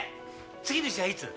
次の試合いつ？